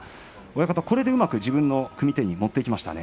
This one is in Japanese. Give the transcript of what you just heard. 親方、これでうまく自分の組み手に持っていきましたね。